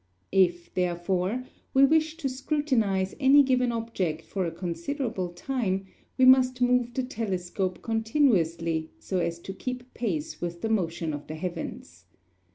If, therefore, we wish to scrutinize any given object for a considerable time, we must move the telescope continuously so as to keep pace with the motion of the heavens.